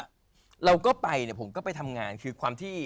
อเจมส์เราก็ไปผมก็ไปทำงานคือความที่